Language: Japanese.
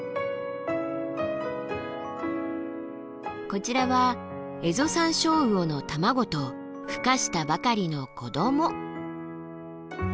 こちらはエゾサンショウウオの卵とふ化したばかりの子ども。